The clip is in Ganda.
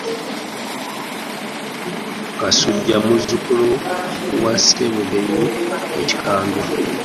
Kasujja muzzukulu wa Ssebugenyi ekikandwa.